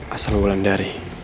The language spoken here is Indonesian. asal bulan dari